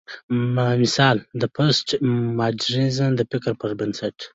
مثلا: د پوسټ ماډرنيزم د فکر پر بنسټ